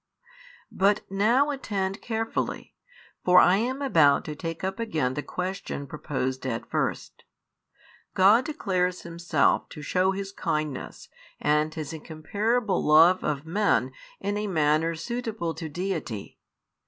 But now attend carefully, for I am about to take up again the question proposed at first. God declares Himself to shew His kindness and His incomparable love of |5 men in a manner suitable to Deity.